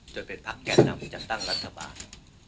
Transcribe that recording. โดยเป็นภาคแก่นำจัดตั้งรัฐบาล